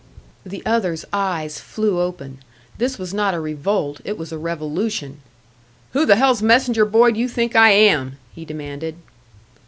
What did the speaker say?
The other's eyes flew open. This was not a revolt, it was a revolution! "Who the hell's messenger boy do you think I am?" he demanded.